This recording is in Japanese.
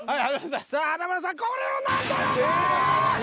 さあ華丸さんこれを何と読む！